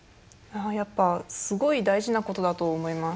やっぱすごい大事なことだと思います。